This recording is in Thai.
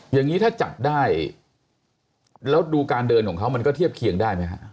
อย่างนี้ถ้าจับได้แล้วดูการเดินของเขามันก็เทียบเคียงได้ไหมฮะ